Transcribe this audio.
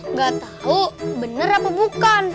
nggak tahu benar apa bukan